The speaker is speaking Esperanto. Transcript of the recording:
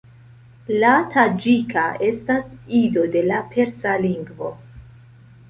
La taĝika estas ido de la persa lingvo.